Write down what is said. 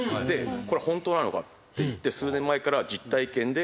これは本当なのかっていって数年前から実体験でやり始めたんですよ。